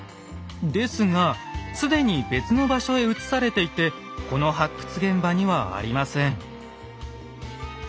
ですが既に別の場所へ移されていてこの発掘現場にはありません。